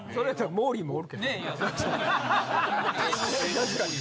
確かに。